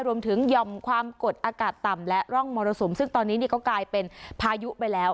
หย่อมความกดอากาศต่ำและร่องมรสุมซึ่งตอนนี้ก็กลายเป็นพายุไปแล้ว